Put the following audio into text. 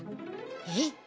えっ？